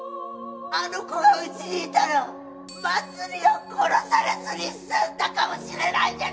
あの子が家にいたらまつりは殺されずに済んだかもしれないじゃないか！！